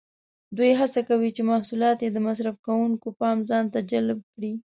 دوی هڅه کوي چې محصولات یې د مصرف کوونکو پام ځانته جلب کړي.